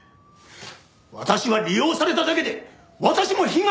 私は利用されただけで私も被害者なんだ！